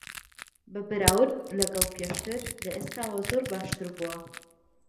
بە بەراورد لەگەڵ پێشتر، لە ئێستاوە زۆر باشتر بووە.